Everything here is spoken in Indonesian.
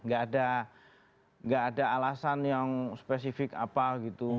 gak ada alasan yang spesifik apa gitu